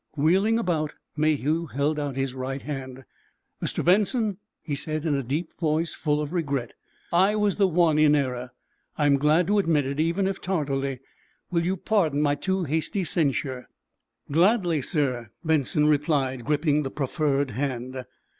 Wheeling about, Mayhew held out his right hand. "Mr. Benson," he said, in a deep voice full of regret, "I was the one in error. I am glad to admit it, even if tardily. Will you pardon my too hasty censure?" "Gladly, sir," Benson replied, gripping the proffered hand.